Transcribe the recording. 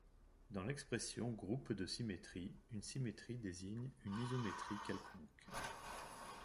Dans l'expression groupe de symétrie, une symétrie désigne une isométrie quelconque.